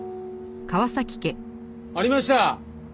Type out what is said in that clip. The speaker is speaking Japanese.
ありました！